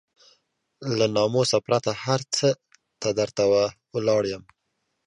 له ناموسه پرته هر څه ته درته ولاړ يم.